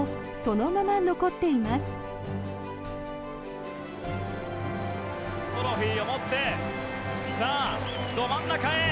トロフィーを持ってさあど真ん中へ。